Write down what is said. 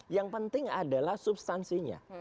yang penting adalah substansinya